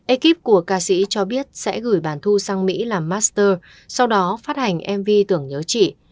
ekip của ca sĩ cho biết sẽ gửi bàn thu sang mỹ làm master sau đó phát hành mv tưởng nhớ chị